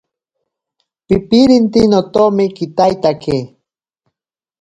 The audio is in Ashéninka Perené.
Pipirinte notomi kitaitake.